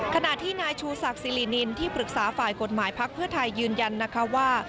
ขณะที่นายชูศักดิ์สิรินินที่ปรึกษาฝ่ายกฎหมายพักเพื่อไทยยืนยันนะคะว่า